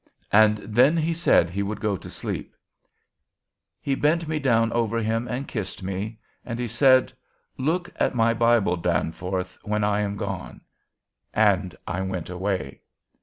And then he said he would go to sleep. He bent me down over him and kissed me; and he said, 'Look in my Bible, Captain, when I am gone.' And I went away.